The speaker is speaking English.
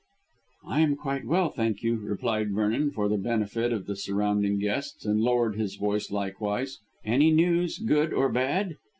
"I am quite well, thank you," replied Vernon, for the benefit of the surrounding guests, and lowered his voice likewise: "Any news, good or bad?"